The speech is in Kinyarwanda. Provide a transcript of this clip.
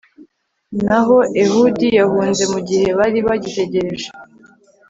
naho ehudi yahunze mu gihe bari bagitegereje